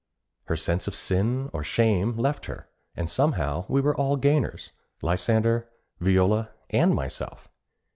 Her sense of sin or shame left her; and somehow we were all gainers, Lysander, Viola, and myself.